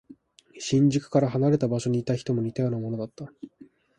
新宿から離れた場所にいた人も似たようなものだった。